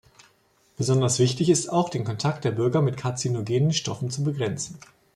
Besonders wichtig ist auch, den Kontakt der Bürger mit karzinogenen Stoffen zu begrenzen.